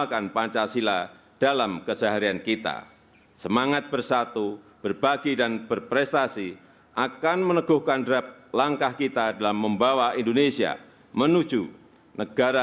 tanda kebesaran buka hormat senjata